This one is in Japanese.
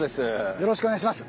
よろしくお願いします。